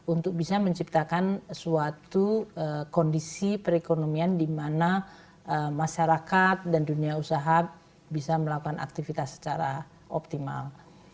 untuk bisa menciptakan suatu kondisi perekonomian di mana masyarakat dan dunia usaha bisa melakukan aktivitas secara optimal